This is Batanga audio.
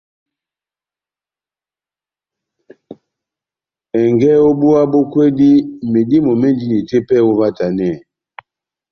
Ɛngɛ ó búwa bó kwédi, medímo médini tepɛhɛ óvahtanɛ ?